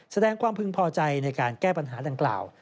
แสดงความพึงพอใจในการแก้ปัญหาดังกล่าว